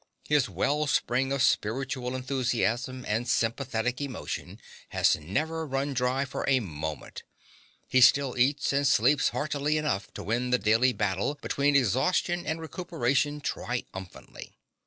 His well spring of spiritual enthusiasm and sympathetic emotion has never run dry for a moment: he still eats and sleeps heartily enough to win the daily battle between exhaustion and recuperation triumphantly.